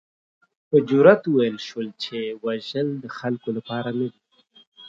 په جرات وویل شول چې وژل د خلکو لپاره نه دي.